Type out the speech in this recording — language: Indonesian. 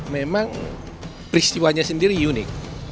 memang peristiwanya sendiri unik